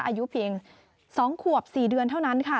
อายุเพียง๒ขวบ๔เดือนเท่านั้นค่ะ